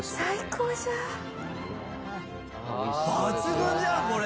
抜群じゃんこれ。